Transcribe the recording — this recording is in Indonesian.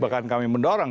bahkan kami mendorong